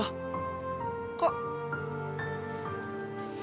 aku mau pergi ke tempat yang sama